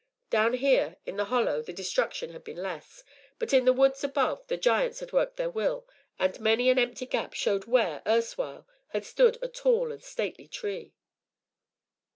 Down here, in the Hollow, the destruction had been less, but in the woods, above, the giants had worked their will, and many an empty gap showed where, erstwhile, had stood a tall and stately tree.